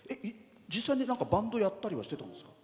実際にバンドをやったりはしてるんですか？